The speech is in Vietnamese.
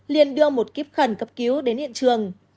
liền đưa một kíp khẩn cấp cứu đến hiện trường